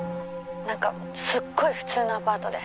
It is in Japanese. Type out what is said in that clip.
何かすっごい普通のアパートで。